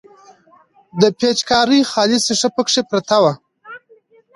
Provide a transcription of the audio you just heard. د پيچکارۍ خالي ښيښه پکښې پرته وه.